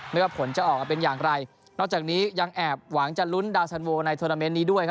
ว่าผลจะออกมาเป็นอย่างไรนอกจากนี้ยังแอบหวังจะลุ้นดาวสันโวในโทรนาเมนต์นี้ด้วยครับ